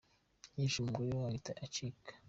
Yishe umugore we ahita acika